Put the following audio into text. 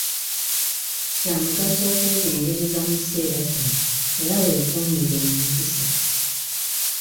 Kya mugaso okwegendereza mu kiseera kino, era weekuumire mu mpisa.